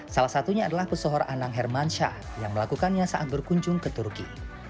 salah satunya adalah pesohor anang hermansyah yang melakukannya saat berkunjung ke turki